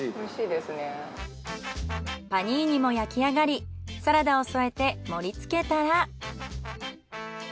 パニーニも焼き上がりサラダを添えて盛り付けたら。